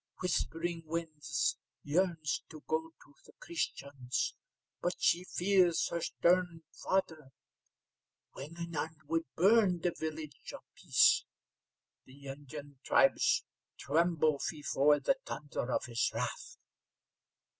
Whispering Winds yearns to go to the Christians, but she fears her stern father. Wingenund would burn the Village of Peace. The Indian tribes tremble before the thunder of his wrath.